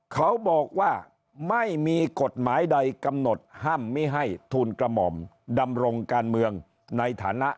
เขาบอกว่าไม่มีกฎหมายใดกำหนดห้ามไม่ให้ทูลกระหม่อมดำรงการเมืองในฐานะ